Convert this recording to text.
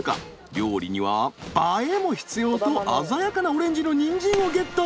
料理には映えも必要と鮮やかなオレンジのにんじんをゲット。